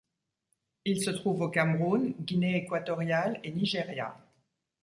Il se trouve au Cameroun, Guinée équatoriale et Nigeria.